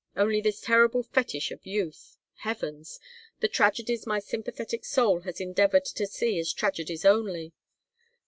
Only this terrible fetish of youth! Heavens! the tragedies my sympathetic soul has endeavored to see as tragedies only.